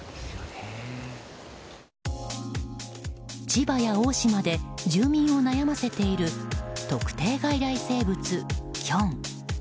千葉や大島で住民を悩ませている特定外来生物キョン。